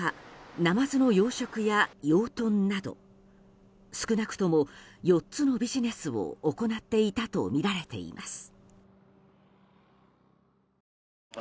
ナマズの養殖や養豚など少なくとも４つのビジネスを行っていたとみられています。